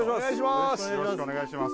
よろしくお願いします